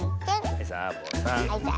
はいサボさん。